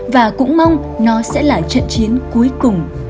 và cũng mong nó sẽ là trận chiến cuối cùng